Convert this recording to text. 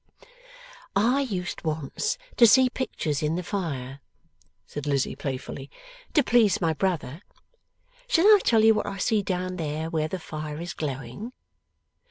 'I used once to see pictures in the fire,' said Lizzie playfully, 'to please my brother. Shall I tell you what I see down there where the fire is glowing?